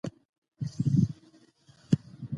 ځينې وخت قهر غلط لوري ته ځي.